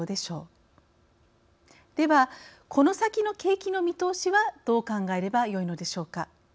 ではこの先の景気の見通しはどう考えればよいのでしょうか。